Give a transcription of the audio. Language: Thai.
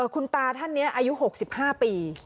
คุณตาท่านนี้อายุ๖๕ปี